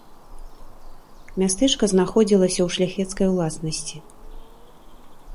Мястэчка знаходзілася ў шляхецкай уласнасці.